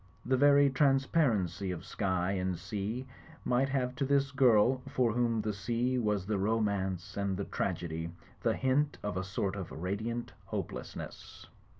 The very transparency of sky and sea might have to this girl, for whom the sea was the romance and the trag edy, the hint of a sort of radiant hopelessness.